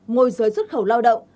ngôi giới xuất khẩu lao động